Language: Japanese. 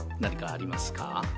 あります？